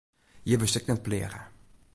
Hjir wurdst ek net pleage.